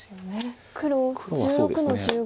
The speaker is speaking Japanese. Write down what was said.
黒１６の十五。